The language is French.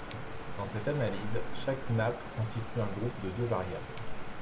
Dans cette analyse, chaque nappe constitue un groupe de deux variables.